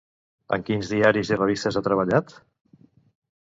En quins diaris i revistes ha treballat?